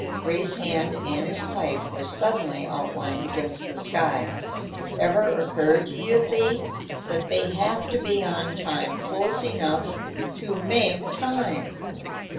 Ray's hand and his pipe were suddenly outlined against the sky. "Ever occur to you, Thee, that they have to be on time close enough to _make time?